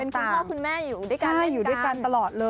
เป็นพ่อคุณแม่อยู่ด้วยกันเล่นกัน